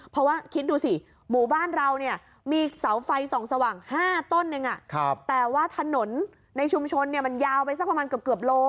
เพราะว่าคิดดูสิหมู่บ้านเราเนี่ยมีเสาไฟส่องสว่าง๕ต้นหนึ่งแต่ว่าถนนในชุมชนมันยาวไปสักประมาณเกือบโล